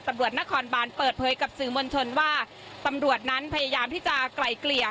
ตำรวจนครบานเปิดเผยกับสื่อมวลชนว่าตำรวจนั้นพยายามที่จะไกลเกลี่ย